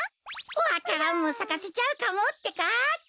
わか蘭もさかせちゃうかもってか。